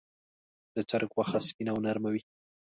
د چرګ غوښه سپینه او نرمه وي.